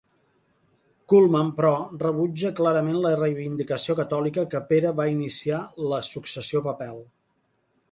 Cullmann, però, rebutja clarament la reivindicació catòlica que Pere va iniciar la successió papal.